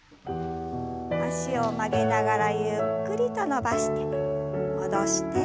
脚を曲げながらゆっくりと伸ばして戻して。